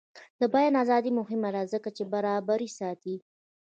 د بیان ازادي مهمه ده ځکه چې برابري ساتي.